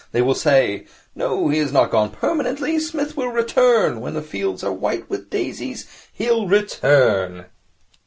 They will say, "No, he has not gone permanently. Psmith will return. When the fields are white with daisies he'll return."